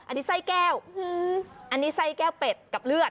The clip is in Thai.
อันนี้ไส้แก้วอันนี้ไส้แก้วเป็ดกับเลือด